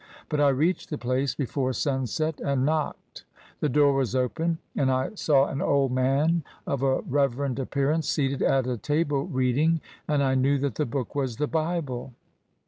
But I reached the place before sunset and knocked. The door was open, and I saw an old man of a reverend appearance seated at a table read ing, and I knew that the book was the Bible.